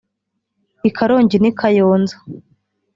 i Karongi n’i Kayonza